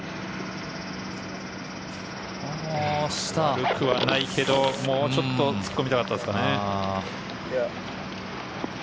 悪くはないけどもうちょっと突っ込みたかったですかね。